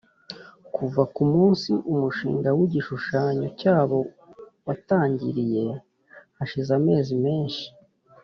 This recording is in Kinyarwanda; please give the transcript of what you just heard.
Kuva ku munsi umushinga w igishushanyo cyabo watangiriye hashize amezi menshi